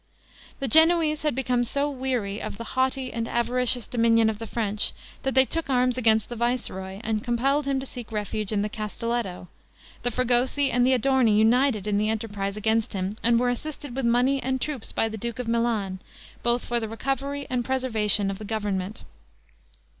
The Genoese had become so weary of the haughty and avaricious dominion of the French, that they took arms against the viceroy, and compelled him to seek refuge in the castelletto; the Fregosi and the Adorni united in the enterprise against him, and were assisted with money and troops by the duke of Milan, both for the recovery and preservation of the government.